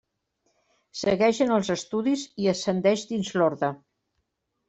Segueix en els estudis i ascendeix dins l'orde.